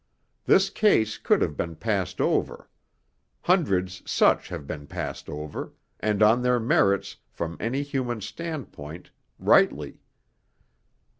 This case could have been passed over; hundreds such have been passed over, and on their merits, from any human standpoint, rightly.